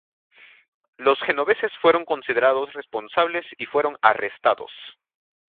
Los genoveses fueron considerados responsables, y fueron arrestados.